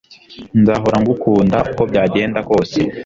Nzahora ngukunda uko byagenda kose